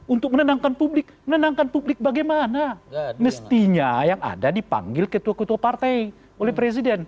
untuk menenangkan publik menenangkan publik bagaimana mestinya yang ada dipanggil ketua ketua partai oleh presiden